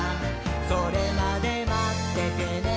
「それまでまっててねー！」